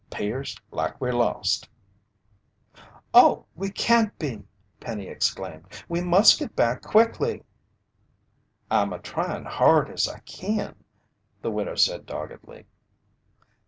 "'Pears like we're lost." "Oh, we can't be!" Penny exclaimed. "We must get back quickly!" "I'm a tryin' hard as I kin," the widow said doggedly.